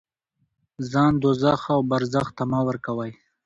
ځان دوزخ او برزخ ته مه ورکوئ.